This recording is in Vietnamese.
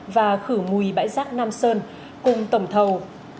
và khử mùi bãi giác nam sơn cùng tẩm thầu